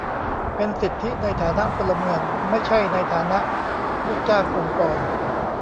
เป็นสิทธิในฐานะพลเมือง ไม่ใช่ในฐานะลูกจ้างองค์กร